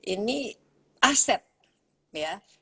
ini aset ya